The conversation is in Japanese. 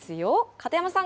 片山さん。